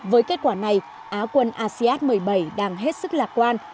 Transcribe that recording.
với kết quả này á quân asean một mươi bảy đang hết sức lạc quan